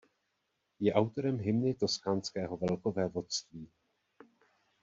Je autorem hymny toskánského velkovévodství.